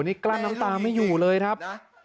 นี่กลั้นน้ำตาไม่อยู่เลยครับ